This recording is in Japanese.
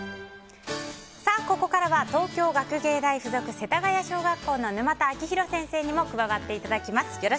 ここからは東京学芸大附属世田谷小学校の教諭沼田晶弘先生にも加わっていただきます。